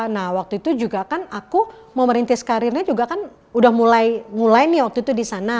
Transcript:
nah waktu itu juga kan aku mau merintis karirnya juga kan udah mulai nih waktu itu di sana